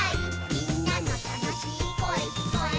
「みんなのたのしいこえきこえたら」